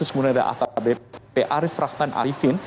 kemudian ada akbp arif rakan arifin